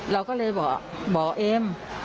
เราก็เลยบอกบอกเอ็ม